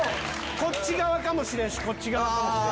こっち側かもしれんしこっち側かもしれんし。